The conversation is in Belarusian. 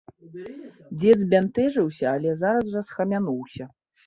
Дзед збянтэжыўся, але зараз жа схамянуўся.